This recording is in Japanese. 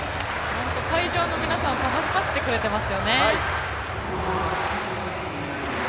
会場の皆さんを楽しませてくれていますよね。